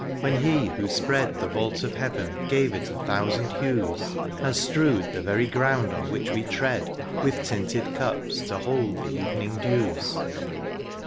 when He who spread The vault of heaven gave it a thousand hues^ And strewed the very ground on which we tread With tinted cups^ to hold the evening dews.